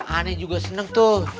ani juga seneng tuh